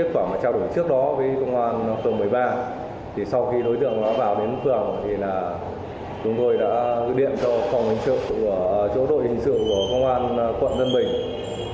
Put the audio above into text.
sau khi có kết quả trao đổi trước đó với công an phường một mươi ba sau khi đối tượng vào đến phường chúng tôi đã gửi điện cho phòng hình sự của chỗ đội hình sự của công an quận dân bình